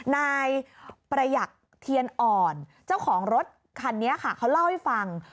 นายประหยัดเทียนอ่อนเจ้าของรถคันนี้ค่ะเขาเล่าให้ฟัง